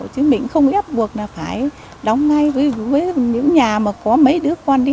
chứ mình không ép buộc là phải đóng ngay với những nhà mà có mấy đứa con đi